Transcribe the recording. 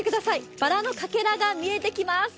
バラのかけらが見えてきます。